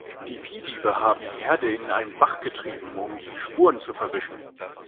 Die Viehdiebe haben die Herde in einen Bach getrieben, um die Spuren zu verwischen.